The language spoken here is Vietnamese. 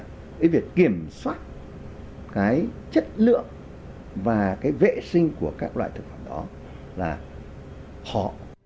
cái việc kiểm soát cái chất lượng và cái vệ sinh của các loại thực phẩm đó là họ